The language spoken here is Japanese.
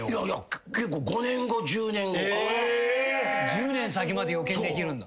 １０年先まで予見できるんだ。